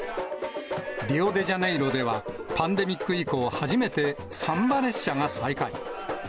リオデジャネイロではパンデミック以降、初めてサンバ列車が再開。